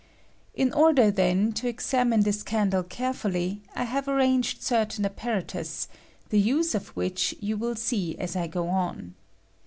In order, then, to examine this candle carefully, I have arranged certain apparatus, the use of wMch you will see as I go on.